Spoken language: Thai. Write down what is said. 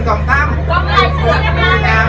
จากนี่จากอีจาก